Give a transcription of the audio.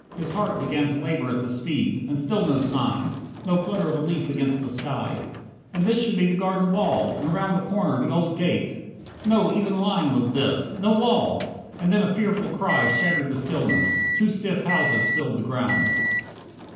His heart began To labour at the speed. And still no sign, No flutter of a leaf against the sky. And this should be the garden wall, and round The corner, the old gate. No even line Was this! No wall! And then a fearful cry Shattered the stillness. Two stiff houses filled the ground.